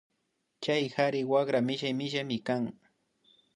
Chay kari wakraka millay millaymi kan